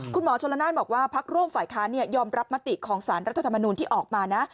คุณหมอชนละนานบอกว่าพักร่วมฝ่ายค้านยอมรับมติของสารรัฐธรรมนูลที่ออกมานะ